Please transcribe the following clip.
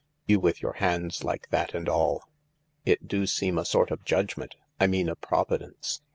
" You with your hands like that and all. It do seem a sort of judgment — I mean a provi dence.